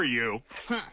フン。